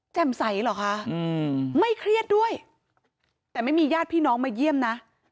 ใสเหรอคะไม่เครียดด้วยแต่ไม่มีญาติพี่น้องมาเยี่ยมนะ